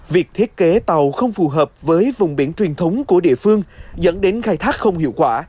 việc thiết kế tàu không phù hợp với vùng biển truyền thống của địa phương dẫn đến khai thác không hiệu quả